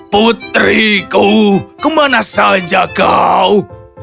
putriku kemana saja kau